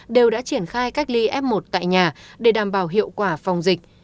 đều đã triển khai cách ly f một tại nhà để đảm bảo hiệu quả phòng dịch